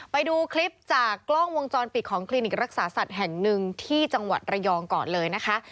ไปดูคลิปจากกล้องวงจรปิดของคลินิกรักษาสัตว์แห่งหนึ่งที่จังหวัดระยองก่อนเลยนะคะ